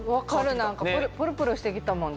なんかプルプルしてきたもん自分で。